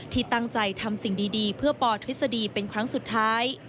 ที่ตั้งใจทำสิ่งดีเพื่อปทฤษฎีเป็นครั้งสุดท้าย